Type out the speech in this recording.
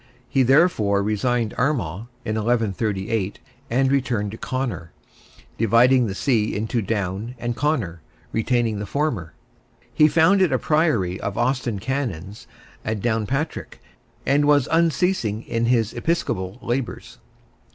He therefore resigned Armagh, in 1138, and returned to Connor, dividing the see into Down and Connor, retaining the former. He founded a priory of Austin Canons at Downpatrick, and was unceasing in his episcopal labours.